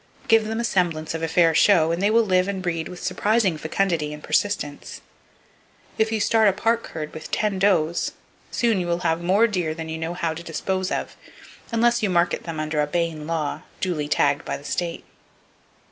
Give them a semblance of a fair show, and they will live and breed with surprising fecundity and persistence. If you start a park herd with ten does, soon you will have more deer than you will know how to dispose of, unless you market them under a Bayne law, duly tagged by the state.